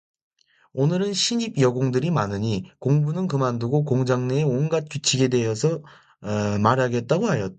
오늘은 신입 여공들이 많으니 공부는 그만두고 공장 내의 온갖 규칙에 대하여 말하겠다고 하였다.